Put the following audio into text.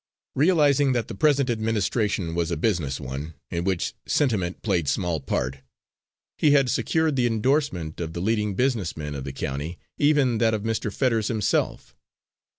Realising that the present administration was a business one, in which sentiment played small part, he had secured the endorsement of the leading business men of the county, even that of Mr. Fetters himself.